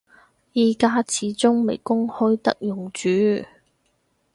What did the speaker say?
而家始終未公開得用住